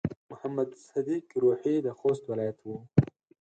محمد صديق روهي د خوست ولايت و.